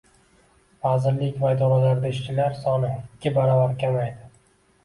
Vazirlik va idoralarda ishchilar soni ikki baravar kamaydi